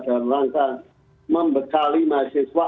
dalam langkah membekali mahasiswa